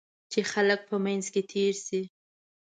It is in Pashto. چې خلک په منځ کې تېر شي.